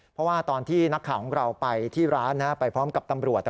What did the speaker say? เพราะว่าตอนที่นักข่าวของเราไปที่ร้านไปพร้อมกับตำรวจ